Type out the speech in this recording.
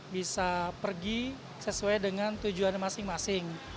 bisa pergi sesuai dengan tujuan masing masing